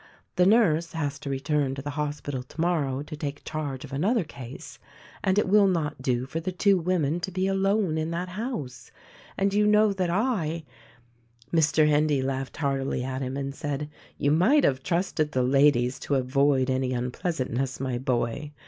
The nurse has to return to the hospital tomorrow to take charge of another case, and it will not do for the two women to be alone in that house ; and you know that I —" Mr. Endy laughed heartily at him and said, "You might have trusted the ladies to avoid any unpleasantness, my boy.